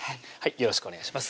よろしくお願いします